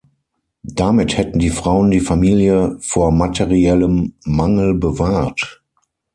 Damit hätten die Frauen die Familie vor materiellem Mangel bewahrt.